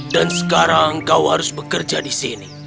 dan sekarang kau harus bekerja di sini